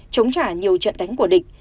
chống trả nhiều trận đánh của địch